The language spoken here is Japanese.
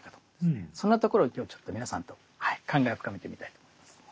そんなところを今日ちょっと皆さんと考えを深めてみたいと思います。